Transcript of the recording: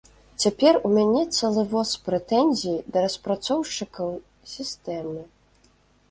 Цяпер у мяне цэлы воз прэтэнзій да распрацоўшчыкаў сістэмы.